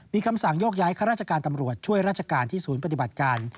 มีคำสั่งโยกย้ายข้าราชการตำรวจช่วยราชการที่ศูนย์ปฏิบัติการ